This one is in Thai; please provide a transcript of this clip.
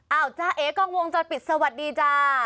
จ้าเอกล้องวงจรปิดสวัสดีจ้า